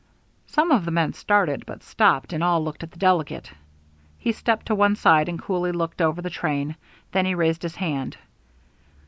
Some of the men started, but stopped, and all looked at the delegate. He stepped to one side and coolly looked over the train; then he raised his hand.